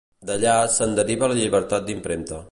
D'ella se'n deriva la llibertat d'impremta.